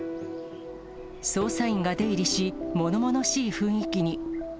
捜査員が出入りし、ものものしい雰囲気に。